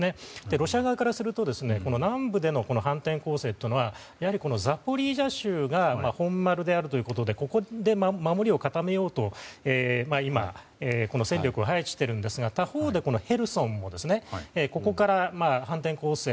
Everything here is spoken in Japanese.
ロシア側からすると南部での反転攻勢というのはやはりザポリージャ州が本丸だということでここで守りを固めようと今、戦力を配置しているんですが他方でヘルソンもここから反転攻勢